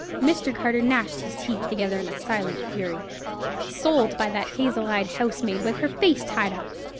Mr. Carter gnashed his teeth together in a silent fury. Sold by that hazel eyed housemaid with her face tied up!